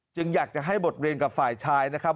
อยากจะให้บทเรียนกับฝ่ายชายนะครับ